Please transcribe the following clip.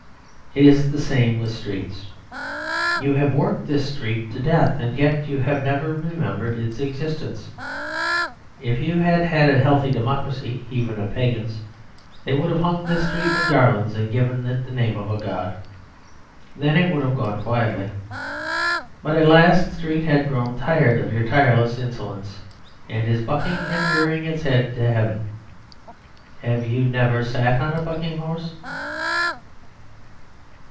It is the same with streets. You have worked this street to death, and yet you have never remembered its existence. If you had a healthy democracy, even of pagans, they would have hung this street with garlands and given it the name of a god. Then it would have gone quietly. But at last the street has grown tired of your tireless insolence; and it is bucking and rearing its head to heaven. Have you never sat on a bucking horse?